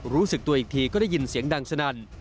รู้สึกตัวอีกทีก็ได้ยินเสียงดังสนั่น